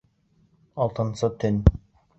Алтынсы төн